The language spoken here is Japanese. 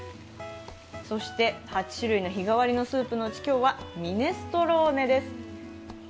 そして８種類の日替わりのスープのうち今日はミネストローネです。